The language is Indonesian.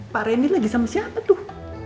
pak randy lagi sama siapa tuh